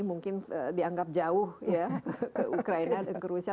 mungkin dianggap jauh ya ke ukraina dan ke rusia